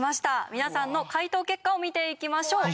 皆さんの解答結果を見ていきましょう。